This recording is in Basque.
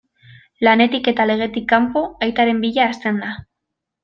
Lanetik eta legetik kanpo, aitaren bila hasten da.